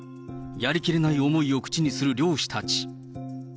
やりきれない思いを口にする漁師たち。